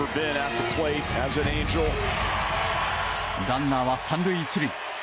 ランナーは３塁１塁。